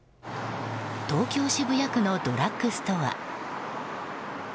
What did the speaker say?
東京・渋谷区のドラッグストア。